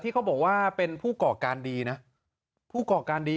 เขาบอกว่าเป็นผู้ก่อการดีนะผู้ก่อการดี